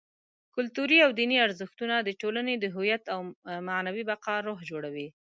کلتوري او دیني ارزښتونه: د ټولنې د هویت او معنوي بقا روح جوړوي.